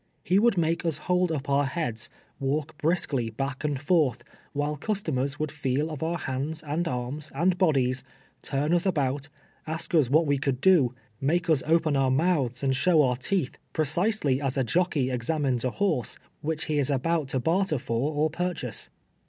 He would make us hold up our heads, walk briskly back and forth, while cus tomers would feel of our hands" and arms and bodies, turn us about, ask us what we could do, make us open 80 TWELVE TEAHS A SLA ^TE. our moutlis and sliow our teeth, precisely as a jockey exaniiues a liorsc wlucli he is about to barter for or purchase.